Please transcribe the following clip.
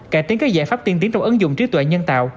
cải tiến các giải pháp tiên tiến trong ứng dụng trí tuệ nhân tạo